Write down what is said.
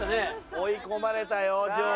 追い込まれたよ女王。